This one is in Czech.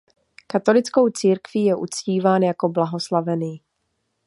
Katolickou církví je uctíván jako blahoslavený.